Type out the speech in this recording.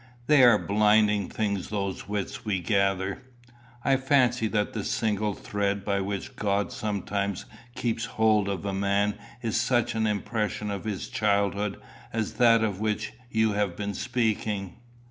They are blinding things those wits we gather. I fancy that the single thread by which God sometimes keeps hold of a man is such an impression of his childhood as that of which you have been speaking."